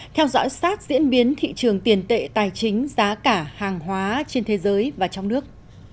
theo dõi sát diễn biến thị trường tiền tệ tài chính giá cả hàng hóa trên thế giới và trong nước